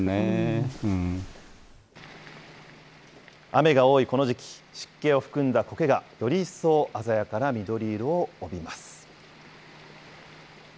雨が多いこの時期、湿気を含んだこけがより一層、鮮やかな緑色を帯びます。